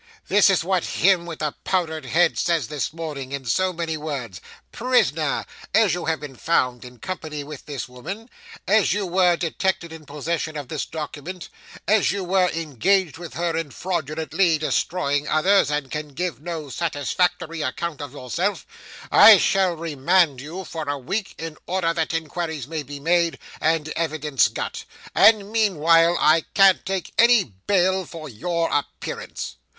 This is what him with the powdered head says this morning, in so many words: "Prisoner! As you have been found in company with this woman; as you were detected in possession of this document; as you were engaged with her in fraudulently destroying others, and can give no satisfactory account of yourself; I shall remand you for a week, in order that inquiries may be made, and evidence got. And meanwhile I can't take any bail for your appearance."